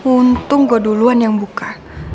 untung gue duluan yang buka